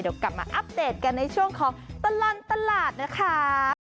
เดี๋ยวกลับมาอัปเดตกันในช่วงของตลอดตลาดนะคะ